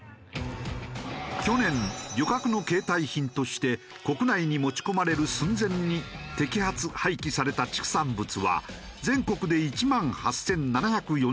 去年旅客の携帯品として国内に持ち込まれる寸前に摘発廃棄された畜産物は全国で１万８７４０件。